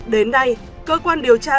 đến nay cơ quan điều tra